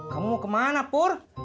kamu mau ke mana pur